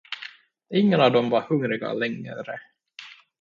Ingen av dem var hungriga längre.